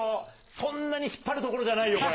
そんなに引っ張るところじゃないよ、これ。